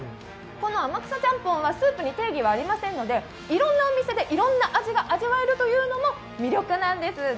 この天草ちゃんぽんはスープに定義はありませんのでいろんなお店でいろんな味が味わえるのも魅力なんです。